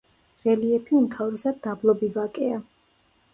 რელიეფი უმთავრესად დაბლობი ვაკეა.